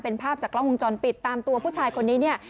เป็นภาพจากกล้องวงจรปิดตามตัวผู้ชายคนนี้เนี่ย